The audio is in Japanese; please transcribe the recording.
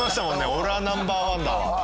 「俺はナンバーワンだ！」。